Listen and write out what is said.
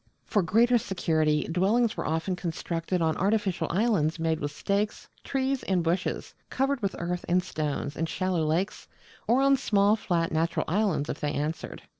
For greater security, dwellings were often constructed on artificial islands made with stakes, trees, and bushes, covered with earth and stones, in shallow lakes, or on small flat natural islands if they answered.